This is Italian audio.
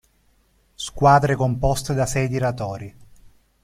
Squadre composte da sei tiratori.